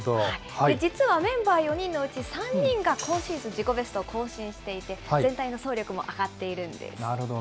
実はメンバー４人のうち３人が今シーズン自己ベストを更新していて、全体の走力も上がっていなるほど。